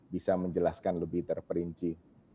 bisa menjelaskan lebih terperinci